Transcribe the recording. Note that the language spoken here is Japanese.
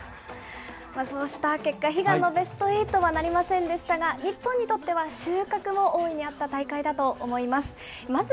そうした結果、悲願のベストエイトとはなりませんでしたが、日本にとっては収穫も大いにあった大会だったと思います。